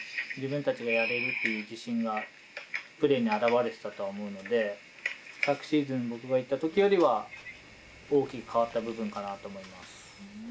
自分たちがやれるっていう自信がプレーに現れてたと思うので昨シーズン僕が行ったときよりは大きく変わった部分かなと思います。